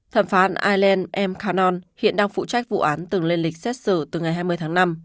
thẩm phán aileen m cannon hiện đang phụ trách vụ án từng lên lịch xét xử từ ngày hai mươi tháng năm